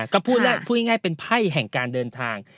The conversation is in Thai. ก็พูดง่ายเป็นไพ่แห่งการเดินทาง